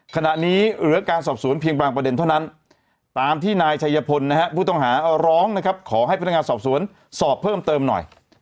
ขณะนี้เหลือการสอบสวนเพียงบางประเด็นเท่านั้นตามที่นายชัยพลนะฮะผู้ต้องหาร้องนะครับขอให้พนักงานสอบสวนสอบเพิ่มเติมหน่อย